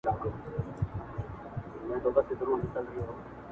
دا هم د لوبي، د دريمي برخي پای وو، که نه.